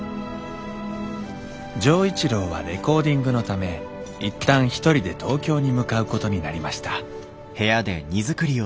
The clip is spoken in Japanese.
錠一郎はレコーディングのため一旦一人で東京に向かうことになりました